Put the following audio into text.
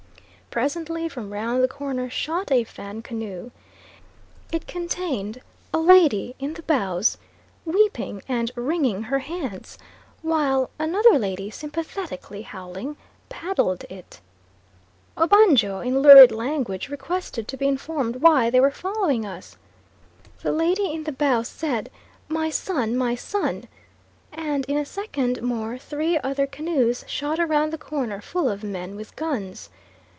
Presently from round the corner shot a Fan canoe. It contained a lady in the bows, weeping and wringing her hands, while another lady sympathetically howling, paddled it. Obanjo in lurid language requested to be informed why they were following us. The lady in the bows said, "My son! my son!" and in a second more three other canoes shot round the corner full of men with guns.